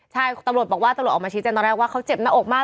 ใช่ตำรวจบอกว่าตำรวจออกมาชี้แจ้งตอนแรกว่าเขาเจ็บหน้าอกมาก